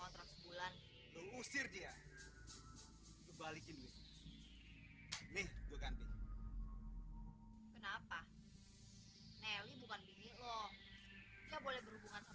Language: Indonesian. mau transbulan usir dia kebalikin nih bukan kenapa nelly bukan bingit loh boleh berhubungan